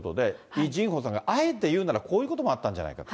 イ・ジンホさんがあえて言うなら、こういうことがあったんじゃないかと。